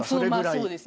そうですね。